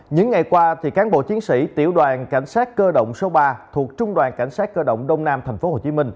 những ngày qua cán bộ chiến sĩ tiểu đoàn cảnh sát cơ động số ba thuộc trung đoàn cảnh sát cơ động đông nam tp hcm